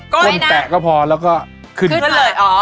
ก้นแตะก็พอแล้วก็ขึ้นเลยอ๋อ